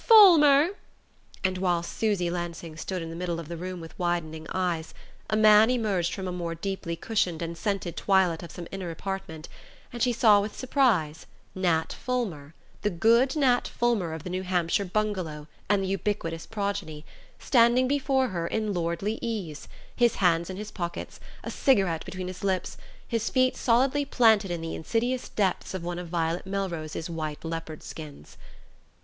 Fulmer!" and, while Susy Lansing stood in the middle of the room with widening eyes, a man emerged from the more deeply cushioned and scented twilight of some inner apartment, and she saw with surprise Nat Fulmer, the good Nat Fulmer of the New Hampshire bungalow and the ubiquitous progeny, standing before her in lordly ease, his hands in his pockets, a cigarette between his lips, his feet solidly planted in the insidious depths of one of Violet Melrose's white leopard skins.